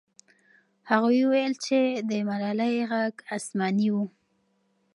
هغوی وویل چې د ملالۍ ږغ آسماني و.